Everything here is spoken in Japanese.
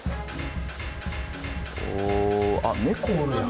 おお猫おるやん。